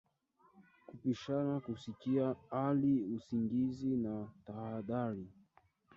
Kupishana Kusikia hali usingizi na tahadhari